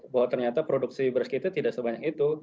bahwa ternyata produksi berski itu tidak sebanyak itu